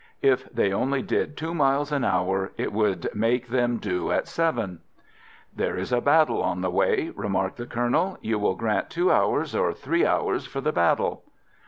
If they only did two miles an hour it would make them due at seven." "There is a battle on the way," remarked the Colonel. "You will grant two hours or three hours for the battle."